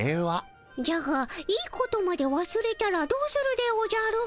じゃがいいことまでわすれたらどうするでおじゃる？